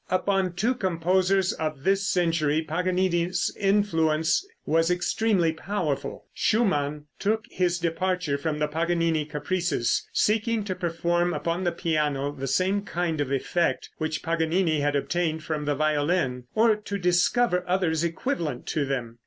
Upon two composers of this century Paganini's influence was extremely powerful. Schumann took his departure from the Paganini caprices, seeking to perform upon the piano the same kind of effect which Paganini had obtained from the violin, or to discover others equivalent to them.